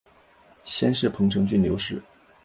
先世彭城郡刘氏。